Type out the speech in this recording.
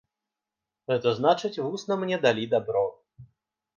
Гэта значыць, вусна мне далі дабро.